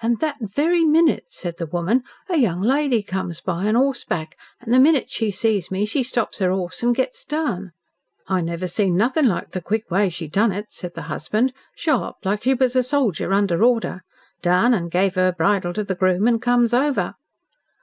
"And that very minute," said the woman, "a young lady came by on 'orseback, an' the minute she sees me she stops her 'orse an' gets down." "I never seen nothing like the quick way she done it," said the husband. "Sharp, like she was a soldier under order. Down an' give the bridle to the groom an' comes over."